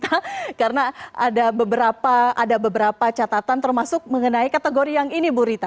kita tanya kepada bu rita karena ada beberapa ada beberapa catatan termasuk mengenai kategori yang ini bu rita